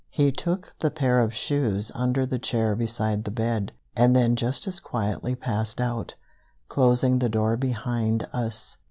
He took the pair of shoes under the chair beside the bed, and then just as quietly passed out, closing the door behind us.